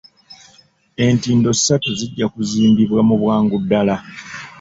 Entindo ssatu zijja kuzimbibwa mu bwangu ddala.